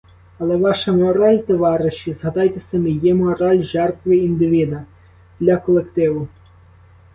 Але ваша мораль, товариші, згадайте самі, є мораль жертви індивіда для колективу.